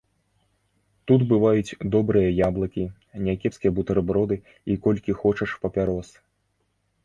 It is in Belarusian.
Тут бываюць добрыя яблыкі, някепскія бутэрброды і колькі хочаш папярос.